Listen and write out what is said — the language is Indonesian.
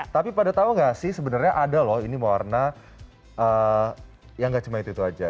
tapi pada tau gak sih sebenarnya ada loh ini warna yang gak cuma itu aja